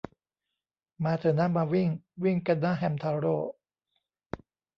มาเถอะนะมาวิ่ง วิ่งกันนะแฮมทาโร่